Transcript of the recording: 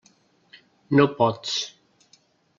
No pots.